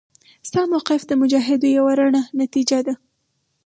ستا موقف د مجاهدو یوه رڼه نتیجه ده.